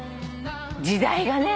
時代がね。